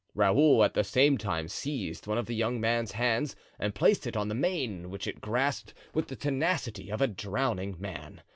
Raoul at the same time seized one of the young man's hands and placed it on the mane, which it grasped with the tenacity of a drowning man.